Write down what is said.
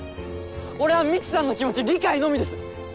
俺は美智さんの気持ち理解のみです！